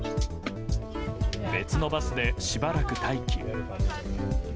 別のバスでしばらく待機。